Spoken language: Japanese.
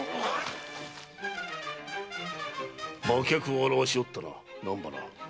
馬脚を現しおったな南原。